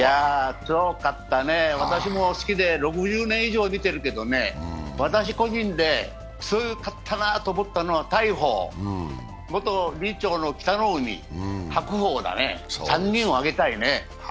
強かったね、私も好きで６０年以上見てるけど私個人で強かったなと思ったのは大鵬、元理事長の北の湖白鵬だね、３人を挙げたいね。